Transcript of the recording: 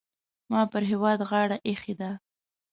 ما پر هېواد غاړه اېښې ده.